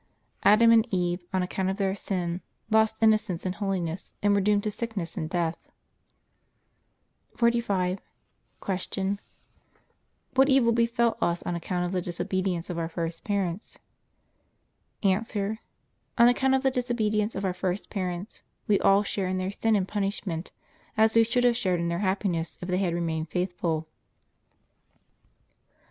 Adam and Eve, on account of their sin, lost innocence and holiness, and were doomed to sickness and death. 45. Q. What evil befell us on account of the disobedience of our first parents? A. On account of the disobedience of our first parents, we all share in their sin and punishment, as we should have shared in their happiness if they had remained faithful.